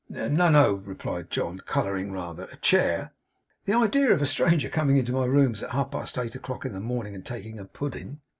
'No, no,' replied John, colouring rather; 'a chair. The idea of a stranger coming into my rooms at half past eight o'clock in the morning, and taking a pudding!